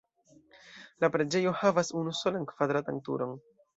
La preĝejo havas unusolan kvadratan turon.